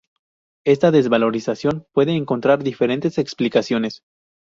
Esta desvalorización puede encontrar diferentes explicaciones.